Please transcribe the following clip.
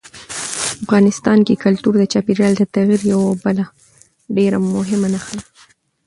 افغانستان کې کلتور د چاپېریال د تغیر یوه بله ډېره مهمه نښه ده.